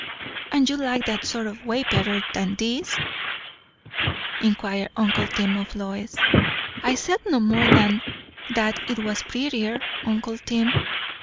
"And you like that sort o' way better 'n this 'n?" inquired uncle Tim of Lois. "I said no more than that it was prettier, uncle Tim."